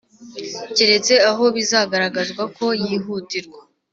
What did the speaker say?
keretse aho bizagaragazwa ko yihutirwa.